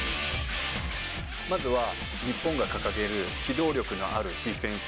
まずは、日本が掲げる機動力のあるディフェンス。